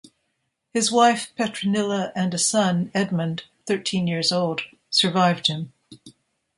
His wife Petronilla and a son, Edmund, thirteen years old, survived him.